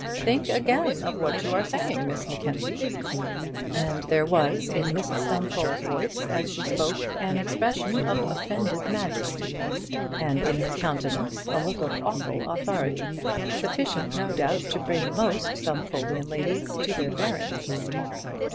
Think again of what you are saying, Miss Mackenzie!" And there was in Mrs Stumfold's voice as she spoke an expression of offended majesty, and in her countenance a look of awful authority, sufficient no doubt to bring most Stumfoldian ladies to their bearings.